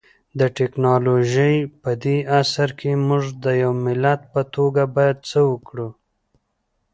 د ټکنالوژۍ پدې عصر کي مونږ د يو ملت په توګه بايد څه وکړو؟